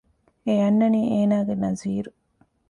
އެ އަންނަނީ އޭނާގެ ނަޒީރު